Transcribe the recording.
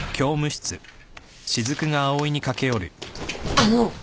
あの。